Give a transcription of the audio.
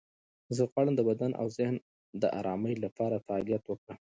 زه غواړم د بدن او ذهن د آرامۍ لپاره فعالیت وکړم.